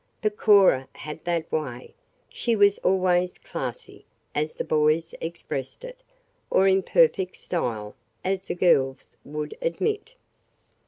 But Cora had that way she was always "classy," as the boys expressed it, or in perfect style, as the girls would admit.